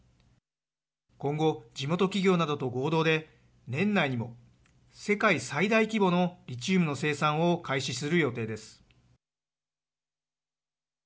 今後、地元企業などと合同で年内にも世界最大規模のリチウムの生産を開始する予定です。